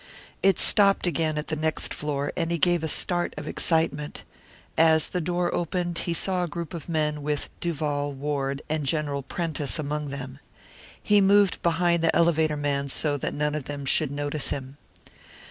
It stopped again at the next floor, and he gave a start of excitement. As the door opened, he saw a group of men, with Duval, Ward, and General Prentice among them. He moved behind the elevator man, so that none of them should notice him.